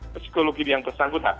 psikologi yang bersangkutan